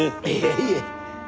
いえいえ。